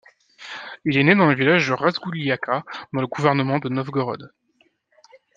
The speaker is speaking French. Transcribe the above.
Il est né dans le village de Razgouliaïka, dans le gouvernement de Novgorod.